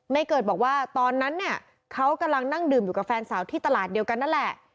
เกิดบอกว่าตอนนั้นเนี่ยเขากำลังนั่งดื่มอยู่กับแฟนสาวที่ตลาดเดียวกันนั่นแหละ